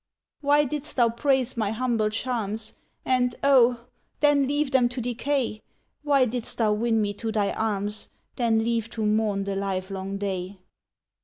"Why didst thou praise my humble charms, And, oh! then leave them to decay? Why didst thou win me to thy arms, Then leave to mourn the livelong day?